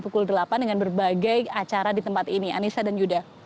pukul delapan dengan berbagai acara di tempat ini anissa dan yuda